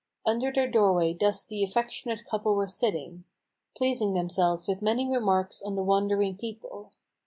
Under their doorway thus the affectionate couple were sitting, Pleasing themselves with many remarks on the wandering people.